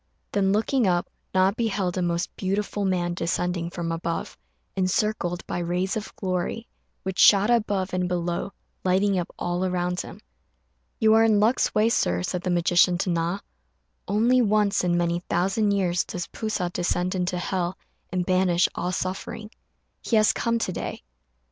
Then, looking up, Na beheld a most beautiful man descending from above, encircled by rays of glory, which shot forth above and below, lighting up all around him. "You are in luck's way, Sir," said the magician to Na; "only once in many thousand years does P'u sa descend into hell and banish all suffering. He has come to day."